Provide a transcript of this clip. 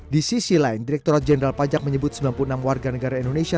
di sisi lain direkturat jenderal pajak menyebut sembilan puluh enam warga negara indonesia